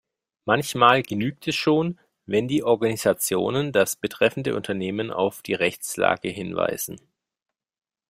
Manchmal genügt es schon, wenn die Organisationen das betreffende Unternehmen auf die Rechtslage hinweisen.